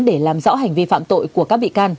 để làm rõ hành vi phạm tội của các bị can